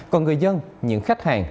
còn người dân những khách hàng